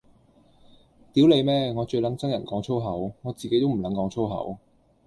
屌你咩，我最撚憎人講粗口，我自己都唔撚講粗口